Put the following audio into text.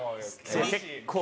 結構。